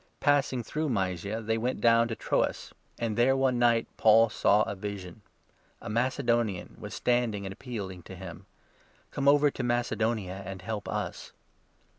Passing through Mysia, they went down to 8 Troas ; and there one night Paul saw a vision. A Macedonian 9 was standing and appealing to him —' Come over to Mace donia and help us.'